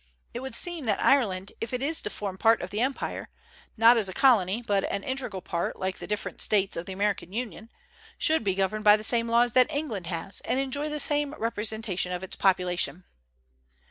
It would seem that Ireland, if it is to form part of the empire, not as a colony, but an integral part, like the different States of the American Union, should be governed by the same laws that England has, and enjoy the same representation of its population.